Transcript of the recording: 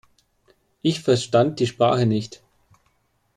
Ich verstand die Sprache nicht.